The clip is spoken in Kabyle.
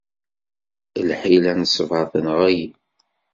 Lḥila n ṣṣber tenɣel.